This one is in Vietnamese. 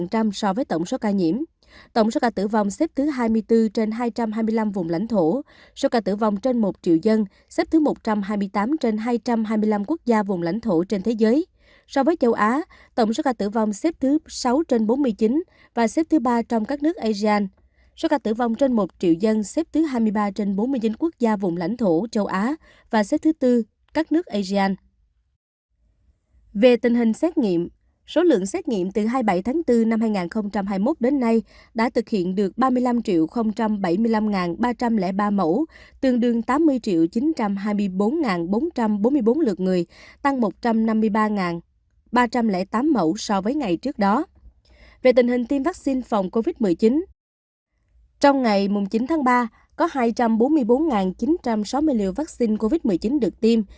trong ngày chín tháng ba có hai trăm bốn mươi bốn chín trăm sáu mươi liều vaccine covid một mươi chín được tiêm